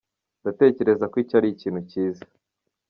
Ndatekereza ko icyo ari ikintu cyiza.